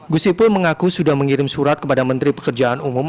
gus ipul mengaku sudah mengirim surat kepada menteri pekerjaan umum